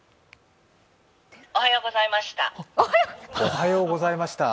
おはようございました。